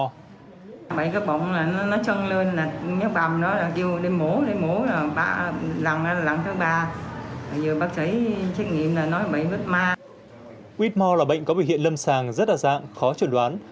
huyết mò là bệnh có biểu hiện lâm sàng rất đa dạng khó chuẩn đoán